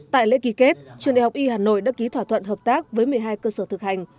tại lễ ký kết trường đại học y hà nội đã ký thỏa thuận hợp tác với một mươi hai cơ sở thực hành